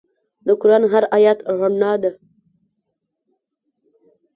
د قرآن هر آیت رڼا ده.